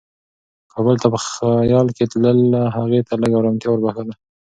کابل ته په خیال کې تلل هغې ته لږ ارامتیا وربښله.